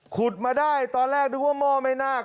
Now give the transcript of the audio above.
ขุดมาได้ตอนแรกดูว่าโม่ไม่น่าก